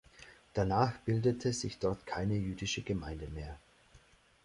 Danach bildete sich dort keine jüdische Gemeinde mehr.